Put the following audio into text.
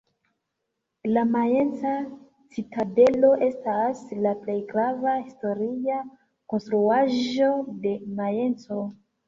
La Majenca citadelo estas la plej grava historia konstruaĵo de Majenco.